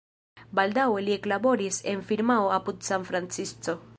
Baldaŭe li eklaboris en firmao apud San Francisco.